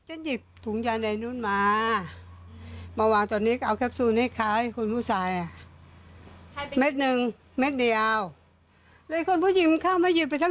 เอาไปฟังเสียงครับ